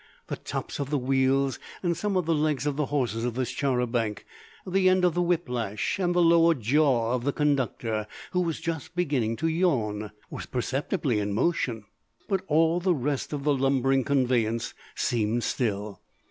The tops of the wheels and some of the legs of the horses of this char a banc, the end of the whip lash and the lower jaw of the conductor who was just beginning to yawn were perceptibly in motion, but all the rest of the lumbering conveyance seemed still.